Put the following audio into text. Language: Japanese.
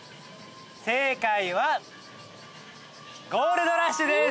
正解はゴールドラッシュです。